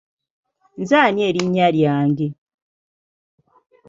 Nze ani erinnya lyange?